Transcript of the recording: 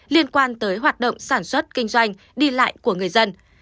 liên quan tới hoạt động sản xuất kinh doanh đi lại của người dân